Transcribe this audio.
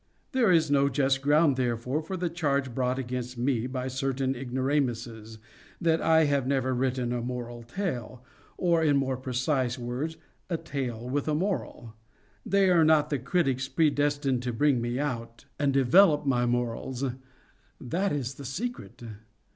There is no just ground, therefore, for the charge brought against me by certain ignoramuses—that I have never written a moral tale, or, in more precise words, a tale with a moral. They are not the critics predestined to bring me out, and develop my morals:—that is the secret.